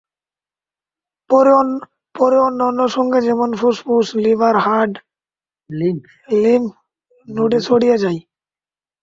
পরে অন্যান্য অঙ্গে যেমন ফুসফুস, লিভার, হাড়, লিম্ফ নোডে ছড়িয়ে যায়।